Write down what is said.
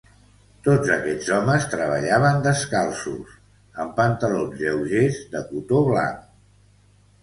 Tots aquests homes treballaven descalços, amb pantalons lleugers de cotó blanc.